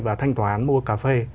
và thanh toán mua cà phê